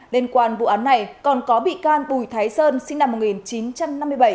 liên quan vụ án này còn có bị can bùi thái sơn sinh năm một nghìn chín trăm năm mươi bảy